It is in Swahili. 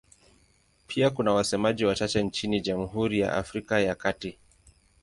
Pia kuna wasemaji wachache nchini Jamhuri ya Afrika ya Kati.